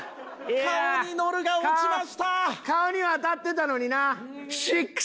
顔には当たってたのにな。